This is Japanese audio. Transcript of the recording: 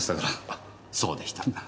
あそうでした。